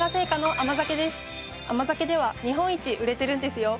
甘酒では日本一売れてるんですよ。